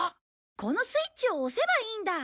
このスイッチを押せばいいんだ。